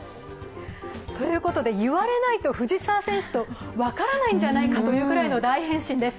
ということで言われないと藤澤選手と分からないんじゃないかというぐらいの大変身です。